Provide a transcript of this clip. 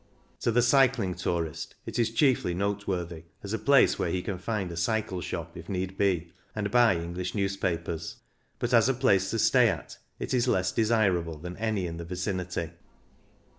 To the cycling tourist it is chiefly note worthy as a place where he can find a cycle shop, if need be, and buy English newspapers ; but as a place to stay at it is less desirable than any in the vicinity.